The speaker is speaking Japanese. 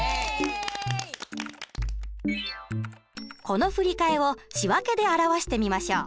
この振り替えを仕訳で表してみましょう。